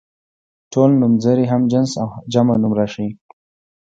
ټول نومځري هم جنس او جمع نوم راښيي.